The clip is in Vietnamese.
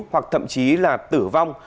hoặc thậm chí là tử vong